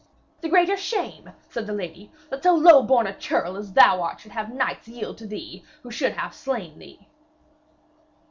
'The greater shame,' said the lady, 'that so lowborn a churl as thou art should have knights yield to thee who should have slain thee.'